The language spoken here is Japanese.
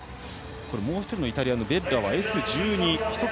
もう１人のイタリアのベッラはＳ１２１つ